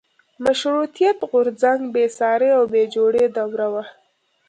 مشروطیت غورځنګ بېسارې او بې جوړې دوره وه.